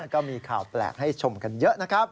ก็มีข่าวแปลกให้ชมกันเยอะนะครับ